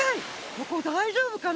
ここだいじょうぶかな？